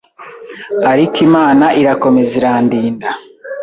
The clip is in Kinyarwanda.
ariko Imana irakomeza irandinda